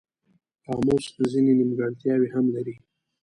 قاموس ځینې نیمګړتیاوې هم لري.